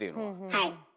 はい。